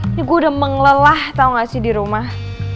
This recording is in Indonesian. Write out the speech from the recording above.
ini gue udah mengelelah tau gak sih di rumah